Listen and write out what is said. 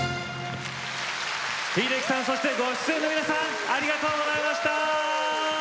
秀樹さんそしてご出演の皆さんありがとうございました。